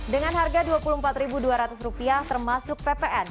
dengan harga rp dua puluh empat dua ratus termasuk ppn